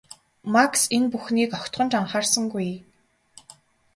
Макс энэ бүхнийг огтхон ч анхаарсангүй.